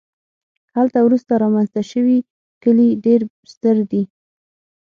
هلته وروسته رامنځته شوي کلي ډېر ستر دي